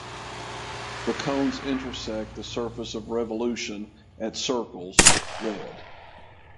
The cones intersect the surface of revolution at circles (red).